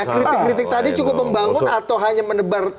kritik kritik tadi cukup membangun atau hanya menebar